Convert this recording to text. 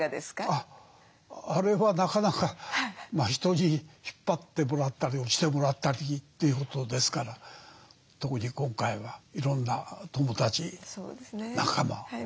あれはなかなか人に引っ張ってもらったり押してもらったりということですから特に今回はいろんな友達仲間家族孫たちまで一生懸命ね押してくれた。